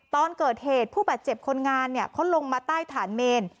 ตอนเกิดเหตุผู้บาดเจ็บคนงานเขาลงมาใต้ฐานเมน